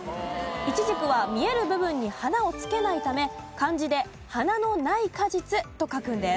いちじくは見える部分に花をつけないため漢字で「花の無い果実」と書くんです。